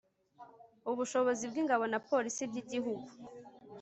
ubushobozi bw'ingabo na polisi by' igihugu